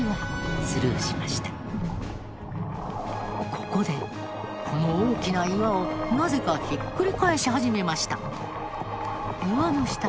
ここでこの大きな岩をなぜかひっくり返し始めました。